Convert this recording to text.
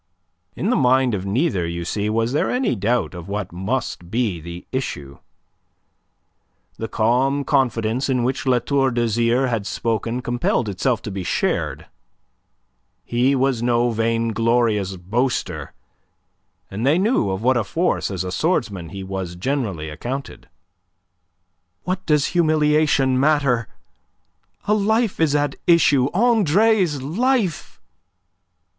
In the mind of neither, you see, was there any doubt of what must be the issue. The calm confidence in which La Tour d'Azyr had spoken compelled itself to be shared. He was no vainglorious boaster, and they knew of what a force as a swordsman he was generally accounted. "What does humiliation matter? A life is at issue Andre's life."